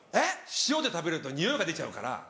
塩で食べると臭いが出ちゃうから。